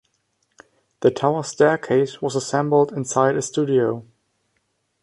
The tower's staircase was assembled inside a studio.